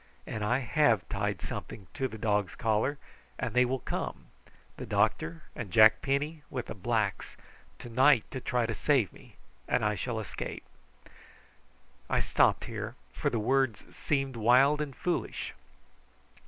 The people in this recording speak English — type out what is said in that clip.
"And I have tied something to the dog's collar and they will come, the doctor and Jack Penny, with the blacks, to night to try and save me, and I shall escape." I stopped here, for the words seemed to be wild and foolish.